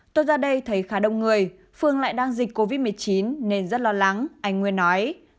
tôi ra đây thấy khá đông người phương lại đang dịch covid một mươi chín nên rất lo lắng anh nguyên nói